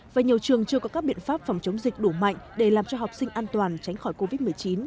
và nhiều trường chưa có các biện pháp phòng chống dịch đủ mạnh để làm cho học sinh an toàn tránh khỏi covid một mươi chín